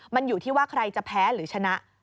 มันอยู่ที่ว่าใครจะแพ้หรือชนะ